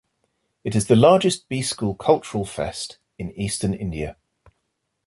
It is the largest B-School Cultural Fest in Eastern India.